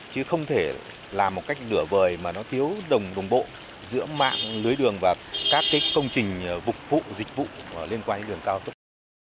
chứ không thể làm một cách nửa vời mà nó thiếu đồng bộ giữa mạng lưới đường và các công trình vục vụ dịch vụ liên quan đến đường cao tốc